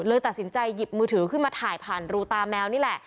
เลยตัดสินใจหยิบมือถือขึ้นมาถ่ายผ่านรูตาแมวนี่แหละ